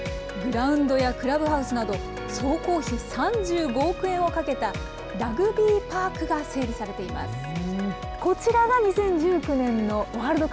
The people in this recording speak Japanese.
グラウンドやクラブハウスなど、総工費３５億円をかけた、ラグビーパークが整備されています。